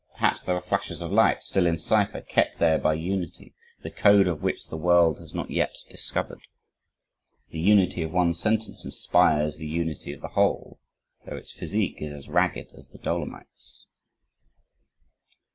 Perhaps there are flashes of light, still in cipher, kept there by unity, the code of which the world has not yet discovered. The unity of one sentence inspires the unity of the whole though its physique is as ragged as the Dolomites.